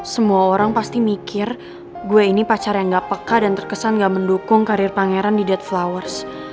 semua orang pasti mikir gue ini pacar yang gak peka dan terkesan gak mendukung karir pangeran di dead flowers